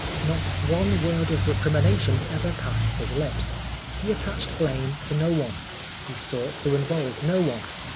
Not one word of recrimination ever passed his lips. He attached blame to no one. He sought to involve no one.